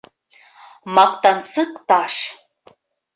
МАҠТАНСЫҠ ТАШ